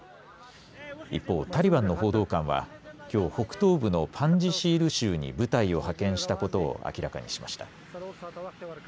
一方、タリバンの報道官はきょう北東部のパンジシール州に部隊を派遣したことを明らかにしました。